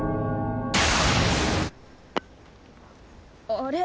あれ？